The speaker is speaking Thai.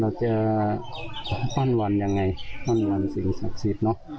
เราจะปั้นวันยังไงปั้นวันสิ่งศักดิ์สิทธิ์เนอะ